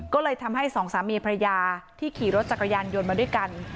ก็เลยทำให้สองสามีภรรยาที่ขี่รถจักรยานยนต์มาด้วยกัน